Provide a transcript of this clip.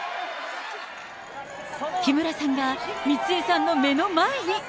木村さんが美津江さんの目の前に。